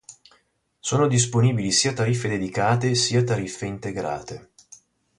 Sono disponibili sia tariffe dedicate sia tariffe integrate.